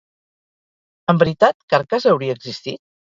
En veritat, Carcas hauria existit?